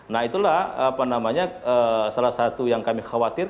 nah itulah apa namanya salah satu yang kami khawatir